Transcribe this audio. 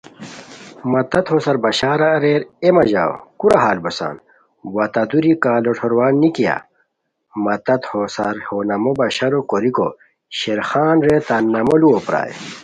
مہ تت ہوسار بشار اریر ایے مہ ژاؤ کورا حال بوسان وا تہ دُوری کا لُوٹھوروان نِکیا؟ مہ تت ہو سار ہو نامو بشارو کوریکو شیر خان رے تان نامو لُوؤ پرائے